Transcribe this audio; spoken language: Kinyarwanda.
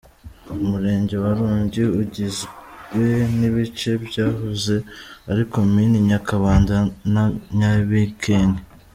Umurenge wa Rongi ugizwe n’ibice byahoze ari Komini Nyakabanda na Nyabikenke.